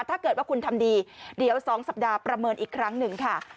ถ้าเกิดว่าคุณทำดีเดี๋ยว๒สัปดาห์ประเมินอีกครั้งหนึ่งค่ะ